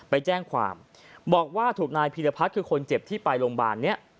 ไปแจ้งความบอกว่าถูกนายพีรพัฒน์คือคนเจ็บที่ไปโรงพยาบาลเนี่ย